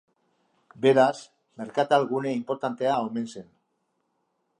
Beraz, merkatal gune inportantea omen zen.